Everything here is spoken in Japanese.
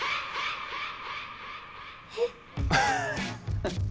えっ？